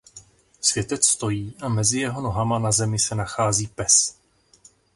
Světec stojí a mezi jeho nohama na zemi se nachází pes.